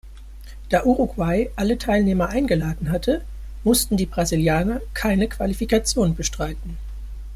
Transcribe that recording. Da Uruguay alle Teilnehmer eingeladen hatte, mussten die Brasilianer keine Qualifikation bestreiten.